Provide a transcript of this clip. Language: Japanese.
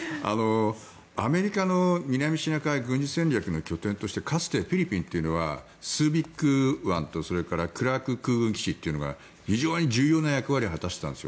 アメリカの南シナ海軍事戦略の拠点としてかつてフィリピンというのはスービック湾とそれからクラーク空軍基地というのが重要な役割を果たしたんです。